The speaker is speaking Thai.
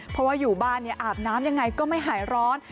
เพราะว่าอยู่บ้านอาบน้ำยังไงก็ไม่หายร้อน